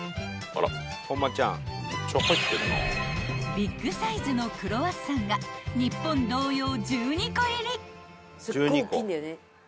［ビッグサイズのクロワッサンが日本同様１２個入り］